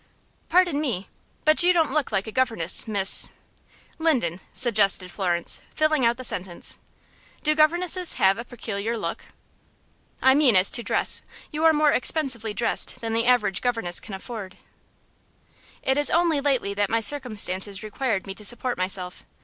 "Pardon me, but you don't look like a governess, Miss " "Linden," suggested Florence, filling out the sentence. "Do governesses have a peculiar look?" "I mean as to dress. You are more expensively dressed than the average governess can afford." "It is only lately that my circumstances required me to support myself.